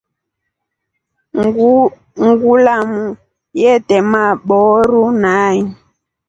Ngulamu yete mabaaro nai.